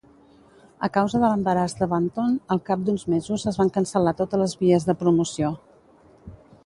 A causa de l'embaràs de Bunton, al cap d'uns mesos es van cancel·lar totes les vies de promoció.